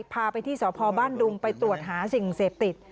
พาไปที่สพบ้านดุงไปตรวจหาสิ่งเสพติด